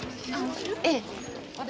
ええ。